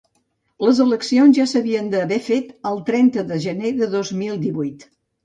Les eleccions ja s’havien d’haver fet el trenta de gener de dos mil divuit.